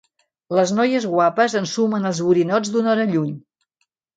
Les noies guapes ensumen els borinots d'una hora lluny.